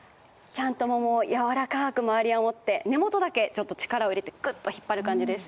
ちゃんと桃、やわらかく周りを守って、根元だけ力を入れてぐっと引っ張る感じです。